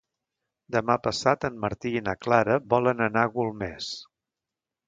Demà passat en Martí i na Clara volen anar a Golmés.